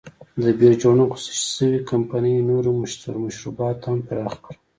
د بیر جوړونې خصوصي شوې کمپنۍ نورو مشروباتو ته هم پراخ کړ.